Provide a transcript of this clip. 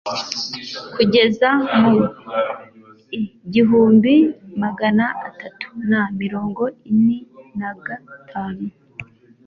kugeza mu i igihumbi magana atatu na mirongo ini nagatanu